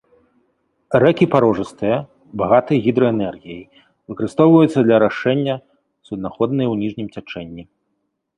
Рэкі парожыстыя, багатыя гідраэнергіяй, выкарыстоўваюцца для арашэння, суднаходныя ў ніжнім цячэнні.